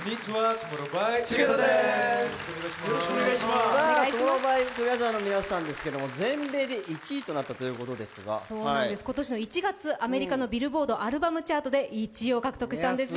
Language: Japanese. ＴＯＭＯＲＲＯＷＸＴＯＧＥＴＨＥＲの皆さんは全米で１位となったということですが今年の１月、アメリカのビルボードアルバムチャートで１位を獲得したんですよ。